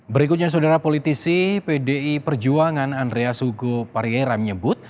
berikutnya saudara politisi pdi perjuangan andreas hugo pariera menyebut